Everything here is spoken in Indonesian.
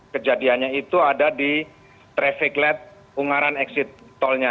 kejadiannya itu ada di traffic light ungaran eksitolnya